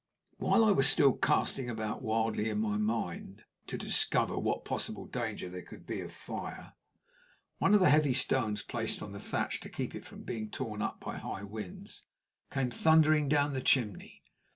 While I was still casting about wildly in my mind to discover what possible danger there could be of fire, one of the heavy stones placed on the thatch to keep it from being torn up by high winds came thundering down the chimney.